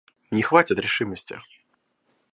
Не хватит решимости.